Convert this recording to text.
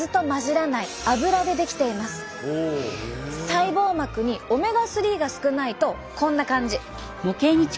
細胞膜にオメガ３が少ないとこんな感じ。